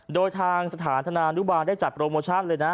โดยทางสถานธนานุบาลได้จัดโปรโมชั่นเลยนะ